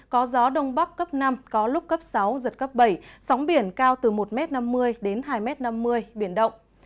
có gió đông bắc cấp năm có lúc cấp sáu giật cấp bảy sóng biển cao từ một năm mươi m đến hai năm mươi m biển động